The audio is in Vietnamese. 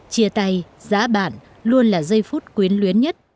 chia tay giã bạn luôn là giây phút quyến luyến nhất